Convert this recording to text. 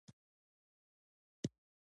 ایا ماسک مو کارولی و؟